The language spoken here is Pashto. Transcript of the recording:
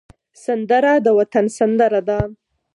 سندره د وطن سندره ده